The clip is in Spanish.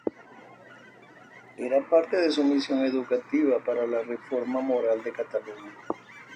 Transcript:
Eran parte de su misión educativa para la reforma moral de Cataluña.